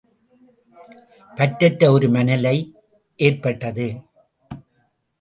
பற்றற்ற ஒரு மனநிலை ஏற்பட்டது.